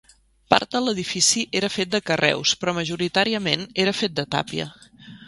Part de l'edifici era fet de carreus, però majoritàriament era fet de tàpia.